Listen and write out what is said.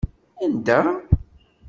Anda?